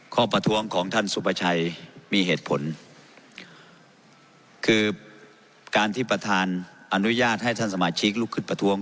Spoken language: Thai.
ประท้วงของท่านสุประชัยมีเหตุผลคือการที่ประธานอนุญาตให้ท่านสมาชิกลุกขึ้นประท้วง